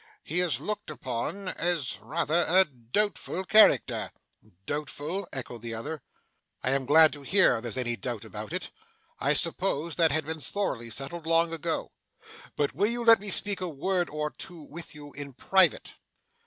'He is looked upon as rather a doubtful character.' 'Doubtful?' echoed the other. 'I am glad to hear there's any doubt about it. I supposed that had been thoroughly settled, long ago. But will you let me speak a word or two with you in private?